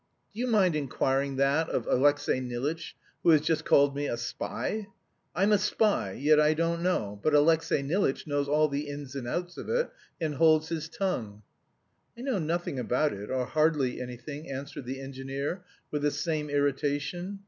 "Do you mind inquiring about that of Alexey Nilitch, who has just called me a spy? I'm a spy, yet I don't know, but Alexey Nilitch knows all the ins and outs of it, and holds his tongue." "I know nothing about it, or hardly anything," answered the engineer with the same irritation.